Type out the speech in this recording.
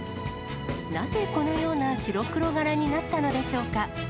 なぜこのような白黒柄になったのでしょうか。